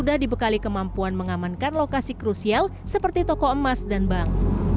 mudah dibekali kemampuan mengamankan lokasi krusial seperti toko emas dan bank